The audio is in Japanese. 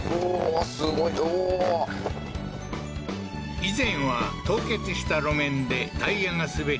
以前は凍結した路面でタイヤが滑り